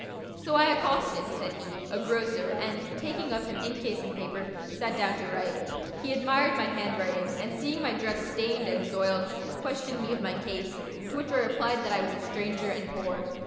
"So I accosted" (said he) "a grocer and, taking of him inkcase and paper, sat down to write. He admired my handwriting and seeing my dress stained and soiled, questioned me of my case, to which I replied that I was a stranger and poor.